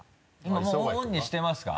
もうオンにしてますか？